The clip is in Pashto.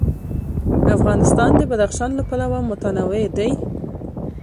افغانستان د بدخشان له پلوه متنوع دی.